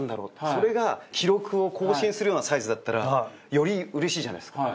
それが記録を更新するようなサイズだったらよりうれしいじゃないですか。